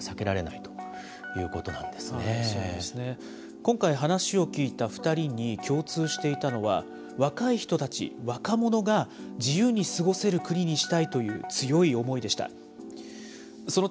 今回、話を聞いた２人に共通していたのは、若い人たち、若者が自由に過ごせる国にしたいという強い思いでした。